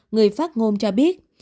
người phát ngôn cho biết